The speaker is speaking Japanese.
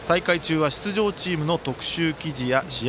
出場チームの特集記事や試合